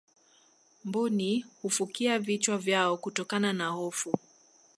mbuni hufukia vichwa vyao kutokana na hofu